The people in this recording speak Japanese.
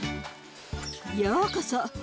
ようこそ。